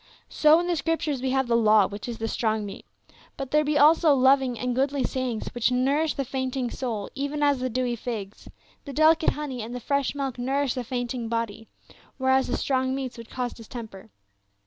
So in the Scriptures we have the law, which is the strong meat ; but there be also loving and goodly sayings which nourish the fainting soul even as the dewy figs, the delicate honey and the fresh milk nourish the fainting body, whereas the strong meats would cause distemper.